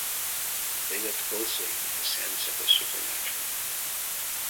They lived closely with the sense of the supernatural.